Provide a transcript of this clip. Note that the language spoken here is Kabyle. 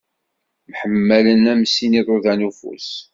Mḥemmalen am sin iḍudan n ufus.